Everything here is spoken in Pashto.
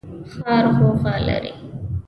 ښار غوغا لري